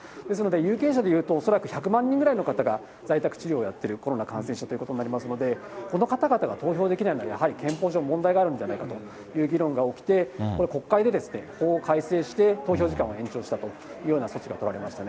ですので有権者でいうと恐らく１００万人ぐらいの方が在宅治療をやってる、コロナ感染者ということになりますので、この方々が投票できないのは、やはり憲法上問題があるのではないかという議論が起きて、国会で法改正して投票時間を延長したというような措置が取られま